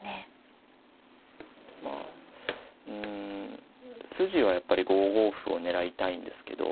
まあうん筋はやっぱり５五歩を狙いたいんですけど